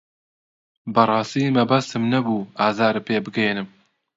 بەڕاستی مەبەستم نەبوو ئازارت پێ بگەیەنم.